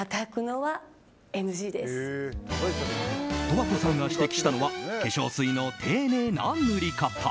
十和子さんが指摘したのは化粧水の丁寧な塗り方。